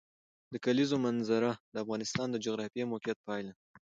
د کلیزو منظره د افغانستان د جغرافیایي موقیعت پایله ده.